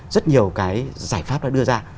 rất nhiều cái giải pháp đã đưa ra